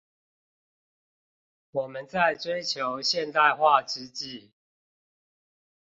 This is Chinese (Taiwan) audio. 我們在追求現代化之際